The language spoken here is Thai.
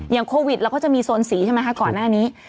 โควิดเราก็จะมีโซนสีใช่ไหมคะก่อนหน้านี้